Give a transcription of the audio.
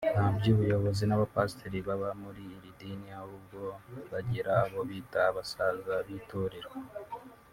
nta by’ubuyobozi n’abapasiteri baba muri iri dini ahubwo bagira abo bita abasaza b’itorero